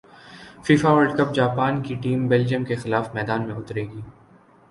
FIFA world cup Japan کی team Belgium کیخلاف میدان میں اترے گی